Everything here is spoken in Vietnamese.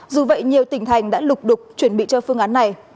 dù vậy nhiều tỉnh thành đã lục đục chuẩn bị cho phương án này